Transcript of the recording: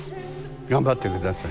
頑張って下さい。